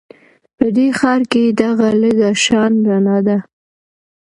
په دې ښار کې دغه لږه شان رڼا ده